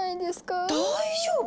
大丈夫！